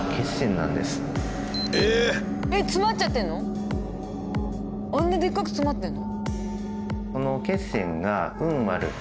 あんなでっかく詰まってんの？